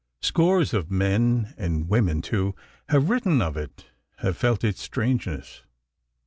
Scores of men and women, too, have written of it, have felt its strangeness.